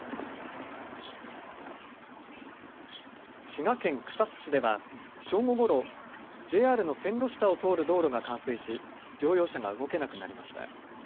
滋賀県草津市では正午ごろＪＲの線路下を通る道路が冠水し乗用車が動けなくなりました。